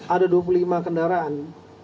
ada dua puluh lima kendaraan